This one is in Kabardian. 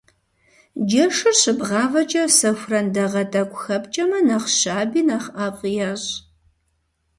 Джэшыр щыбгъавэкӀэ сэхуран дагъэ тӀэкӀу хэпкӀэмэ, нэхъ щаби, нэхъ ӀэфӀи ещӀ.